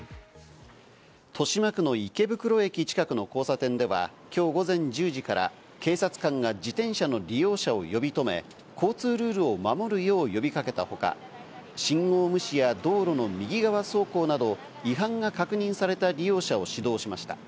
豊島区の池袋駅近くの交差点では今日午前１０時から警察官が自転車の利用者を呼び止め、交通ルールを守るよう呼びかけたほか、信号無視や道路の右側走行など違反が確認された利用者を指導しました。